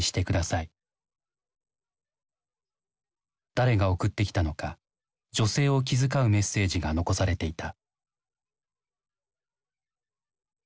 誰が送ってきたのか女性を気遣うメッセージが残されていた。